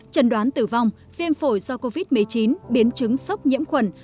trần đoán tử vong viêm phổi do covid một mươi chín biến chứng sốc nhiễm khuẩn